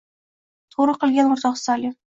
“Toʻgʻri qilgan oʻrtoq Stalin!”